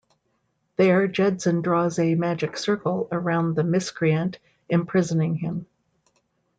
There Jedson draws a "magic circle" around the miscreant, imprisoning him.